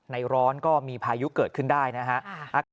ร้อนก็มีพายุเกิดขึ้นได้นะฮะ